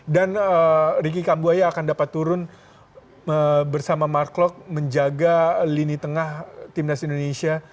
dan ricky kambuaya akan dapat turun bersama mark klok menjaga lini tengah timnas indonesia